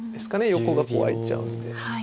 横がこうあいちゃうんで。